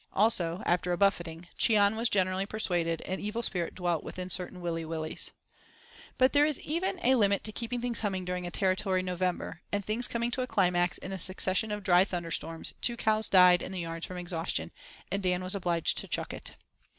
Also after a buffeting Cheon w as generally persuaded an evil spirit dwelt within certain Willy Willys. But there is even a limit to keeping things humming during a Territory November; and things coming to a climax in a succession of dry thunderstorms, two cows died in the yards from exhaustion, and Dan was obliged to "chuck it."